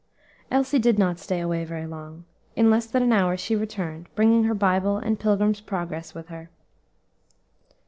Elsie did not stay away very long; in less than an hour she returned, bringing her Bible and "Pilgrim's Progress" with her.